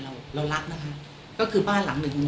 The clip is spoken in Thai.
เรารับนะคะก็คือบ้านหลังหนึ่งเรา